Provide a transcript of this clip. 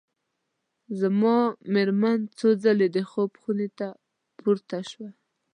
زما مېرمن څو ځلي د خوب خونې ته پورته شوه.